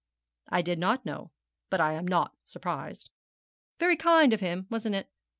'I did not know, but I am not surprised.' 'Very kind of him, wasn't it?